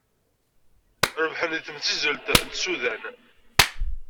Rebḥen deg temzizzelt n tsudan.